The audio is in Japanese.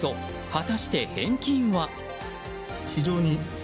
果たして返金は？